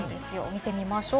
見てみましょう。